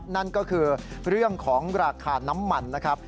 นั่นก็คือเรื่องของราคาน้ำมันนะครับ